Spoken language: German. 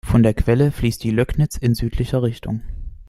Von der Quelle fließt die Löcknitz in südlicher Richtung.